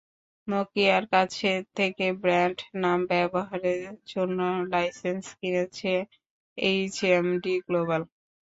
নকিয়ার কাছ থেকে ব্র্যান্ড নাম ব্যবহারের জন্য লাইসেন্স কিনেছে এইচএমডি গ্লোবাল।